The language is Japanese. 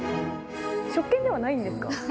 食券ではないんですか？